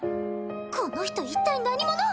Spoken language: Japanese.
この人一体何者？